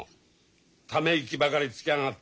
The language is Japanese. ため息ばかりつきやがって。